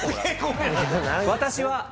私は。